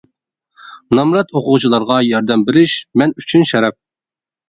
نامرات ئوقۇغۇچىلارغا ياردەم بېرىش مەن ئۈچۈن شەرەپ!